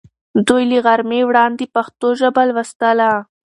دوی له غرمې وړاندې پښتو ژبه لوستله.